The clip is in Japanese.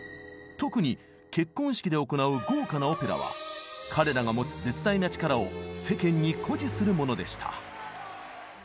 特に結婚式で行う豪華なオペラは彼らが持つ絶大な力を世間に誇示するものでした。